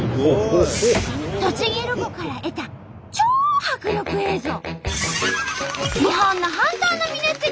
栃木ロコから得た超迫力映像！